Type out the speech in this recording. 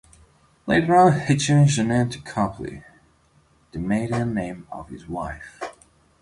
Later on he changed the name to Copley, the maiden name of his wife.